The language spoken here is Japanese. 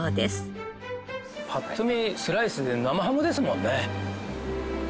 パッと見スライスで生ハムですもんね。